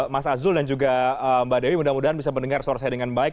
mas azul dan juga mbak dewi mudah mudahan bisa mendengar suara saya dengan baik